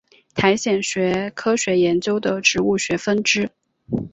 苔藓学科学研究的植物学分支。